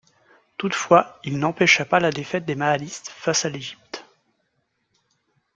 Toutefois, il n'empêcha pas la défaite des mahdistes face à l'Égypte.